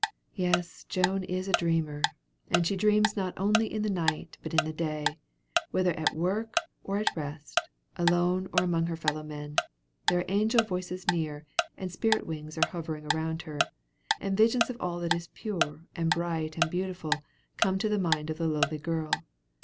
Yes, Joan is a dreamer; and she dreams not only in the night, but in the day; whether at work or at rest, alone or among her fellow men, there are angel voices near, and spirit wings are hovering around her, and visions of all that is pure, and bright, and beautiful, come to the mind of the lowly girl.